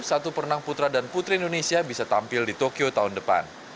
satu perenang putra dan putri indonesia bisa tampil di tokyo tahun depan